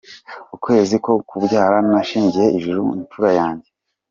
Ukwezi ko kubyara nashyingiye ijuru imfura yanjye.